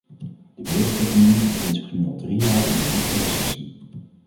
De wereldeconomie bevindt zich nu al drie jaar in een lichte recessie.